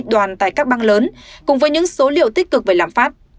tổng thống biden là một trong những bang lớn cùng với những số liệu tích cực về lãm phát